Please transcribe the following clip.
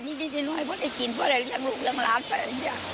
นิดนิดหน่อยพอได้กินพอได้เลี้ยงลูกเรียงหลานไป